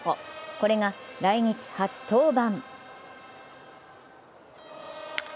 これが来日初登板。